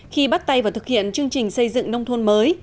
khi bắt tay vào thực hiện chương trình xây dựng nông thôn mới